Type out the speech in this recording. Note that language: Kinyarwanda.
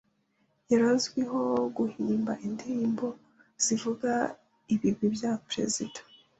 Yari azwiho guhimba indirimbo zivuga ibigwi bya Perezida